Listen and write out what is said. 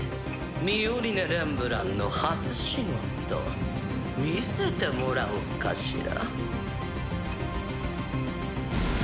ミオリネ・レンブランの初仕事見せてもらおうかしら。